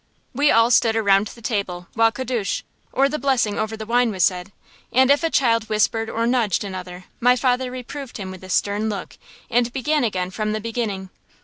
We all stood around the table while kiddush, or the blessing over the wine, was said, and if a child whispered or nudged another my father reproved him with a stern look, and began again from the beginning.